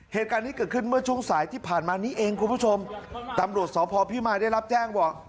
เหตุการณ์นี้เกิดขึ้นเมื่อช่วงสายที่ผ่านมานี้เองคุณผู้ชมตำรวจสพพิมายได้รับแจ้งบอก